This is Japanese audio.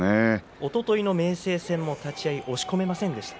おとといの明生戦も立ち合い押し込めませんでしたね。